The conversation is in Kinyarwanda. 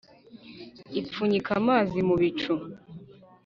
Ipfunyika amazi mu bicu